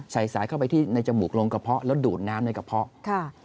สายเข้าไปที่ในจมูกลงกระเพาะแล้วดูดน้ำในกระเพาะค่ะ